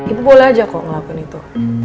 ibu boleh aja kok ngelakuin itu